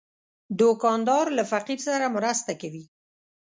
دوکاندار له فقیر سره مرسته کوي.